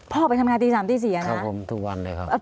พ่อไปทำงานตี๓๔แล้วนะครับนะครับผมทุกวันเลยครับ